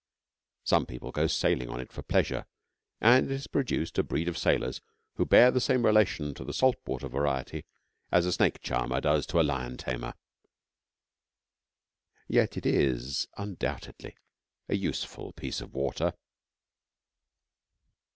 Some people go sailing on it for pleasure, and it has produced a breed of sailors who bear the same relation to the salt water variety as a snake charmer does to a lion tamer. Yet it is undoubtedly a useful piece of water.